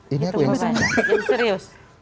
hitung bapak yang serius